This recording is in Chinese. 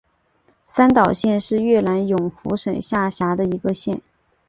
三岛县是越南永福省下辖的一个县。